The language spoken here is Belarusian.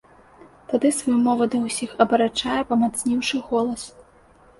Тады сваю мову да ўсіх абарачае, памацніўшы голас.